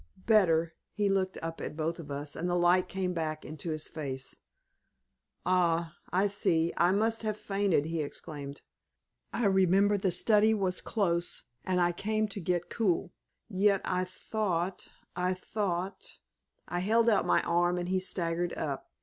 "Better!" He looked up at both of us, and the light came back into his face. "Ah! I see! I must have fainted!" he exclaimed. "I remember the study was close, and I came to get cool. Yet, I thought I thought " I held out my arm, and he staggered up.